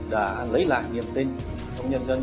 đã lấy lại niềm tin trong nhân dân